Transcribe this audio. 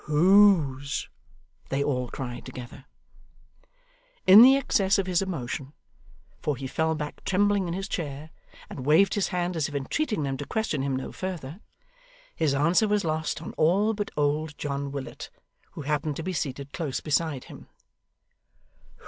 'Whose?' they all three cried together. In the excess of his emotion (for he fell back trembling in his chair, and waved his hand as if entreating them to question him no further), his answer was lost on all but old John Willet, who happened to be seated close beside him.